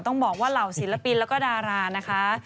ต้องบอกว่าเหล่าศิลปินแล้วก็ดารานะคะ